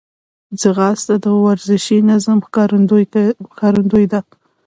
ځغاسته د ورزشي نظم ښکارندوی ده